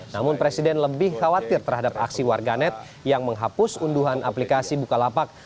namun presiden lebih khawatir terhadap aksi warganet yang menghapus unduhan aplikasi bukalapak